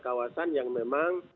kawasan yang memang